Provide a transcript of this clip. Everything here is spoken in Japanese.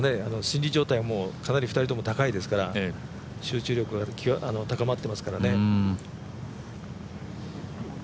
心理状態はかなり２人とも高いですから集中力は高まってますからね。